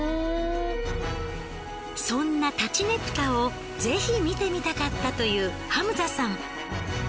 そんな立佞武多をぜひ見てみたかったというハムザさん。